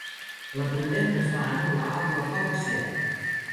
La condemna es va anul·lar amb l'apel·lació.